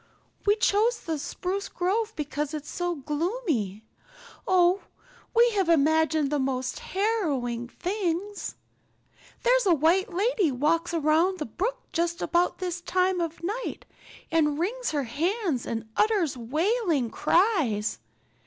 We chose the spruce grove because it's so gloomy. Oh, we have imagined the most harrowing things. There's a white lady walks along the brook just about this time of the night and wrings her hands and utters wailing cries.